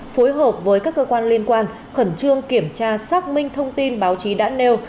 phối hợp với các cơ quan liên quan khẩn trương kiểm tra xác minh thông tin báo chí đã nêu